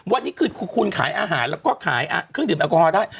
วันนี้คือคุณขายอาหารแล้วก็ขายเครื่องดื่มแอลกอฮอลได้